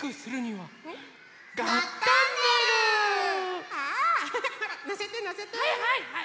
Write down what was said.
はいはいはい。